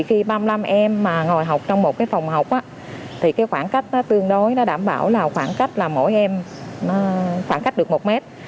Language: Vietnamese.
khi ba mươi năm em ngồi học trong một phòng học thì khoảng cách tương đối đảm bảo là khoảng cách mỗi em khoảng cách được một mét